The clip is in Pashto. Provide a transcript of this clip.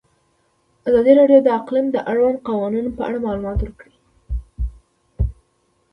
ازادي راډیو د اقلیم د اړونده قوانینو په اړه معلومات ورکړي.